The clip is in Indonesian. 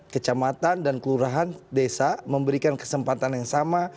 kecamatan dan kelurahan desa memberikan kesempatan yang sama